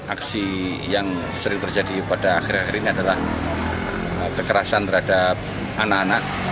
aksi yang sering terjadi pada akhir akhir ini adalah kekerasan terhadap anak anak